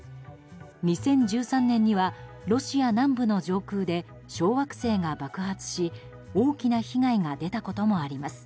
２０１３年にはロシア南部の上空で小惑星が爆発し大きな被害が出たこともあります。